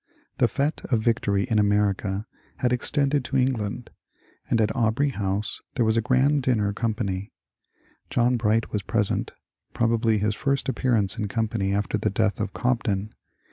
The fete of vic tory in America had extended to England, and at Aubrey House there was a grand dinner company. John Bright was present, — probably his first appearance in company after the death of Cobden.